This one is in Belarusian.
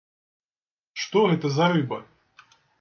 Што гэта за рыба?